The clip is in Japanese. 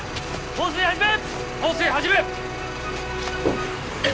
放水始め！